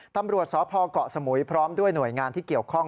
ตำรวจสพเกาะสมุยพร้อมด้วยหน่วยงานที่เกี่ยวข้อง